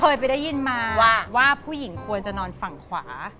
เคยไปได้ยินมาว่าผู้หญิงควรจะนอนฝั่งขวา